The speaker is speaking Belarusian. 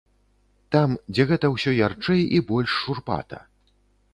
Там, дзе гэта ўсё ярчэй і больш шурпата.